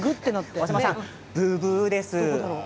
大島さん、ブブーです。